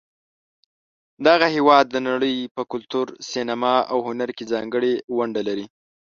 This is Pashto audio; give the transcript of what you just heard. دغه هېواد د نړۍ په کلتور، سینما، او هنر کې ځانګړې ونډه لري.